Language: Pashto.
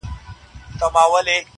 سیاه پوسي ده، مرگ خو یې زوی دی~